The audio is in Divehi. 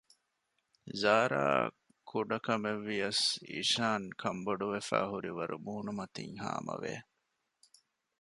ޒާރާއަށް ކުޑަކަމެއްވިޔަސް އިޝާން ކަންބޮޑުވަފައި ހުރިވަރު މޫނުމަތިން ހާމަވެ